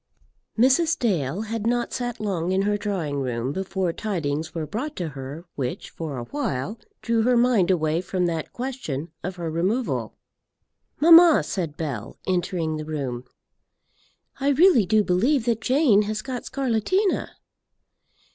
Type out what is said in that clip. Mrs. Dale had not sat long in her drawing room before tidings were brought to her which for a while drew her mind away from that question of her removal. "Mamma," said Bell, entering the room, "I really do believe that Jane has got scarlatina."